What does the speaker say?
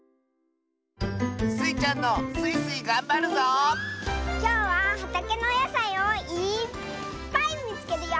スイちゃんのきょうははたけのおやさいをいっぱいみつけるよ！